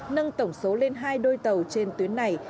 nâng tổng số lên hai đôi tàu trên tuyến này